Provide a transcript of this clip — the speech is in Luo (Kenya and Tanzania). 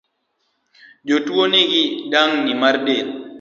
Jatuo nigi dangni mar del